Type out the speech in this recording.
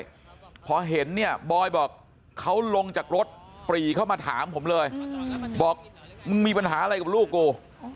พอเห็นเนี่ยบอยบอกเขาลงจากรถปรีเข้ามาถามผมเลยบอกมึงมีปัญหาอะไรกับลูกกู